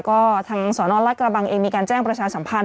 ก็ทางสนรัฐกระบังเองมีการแจ้งประชาสัมพันธ